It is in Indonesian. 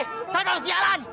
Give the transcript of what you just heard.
sabar si alan